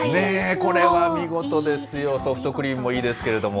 これは見事ですよ、ソフトクリームもいいですけれども。